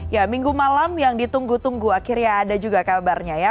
ya minggu malam yang ditunggu tunggu akhirnya ada juga kabarnya ya